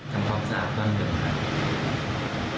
ทำความสะอาดบ้านเมือง